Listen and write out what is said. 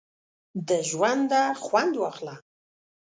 د ژونده خوند واخله!